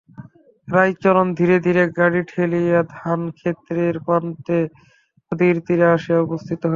রাইচরণ ধীরে ধীরে গাড়ি ঠেলিয়া ধান্যক্ষেত্রের প্রান্তে নদীর তীরে আসিয়া উপস্থিত হইল।